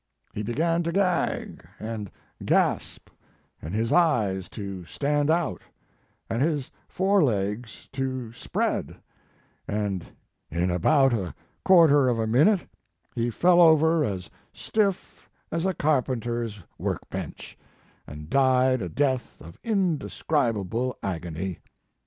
He began to gag and gasp, and his eyes to stand out, and his forelegs to spread, and in about a quarter of a minute he fell over as stiff as a carpenters workbench, and died a death of indescribable agony.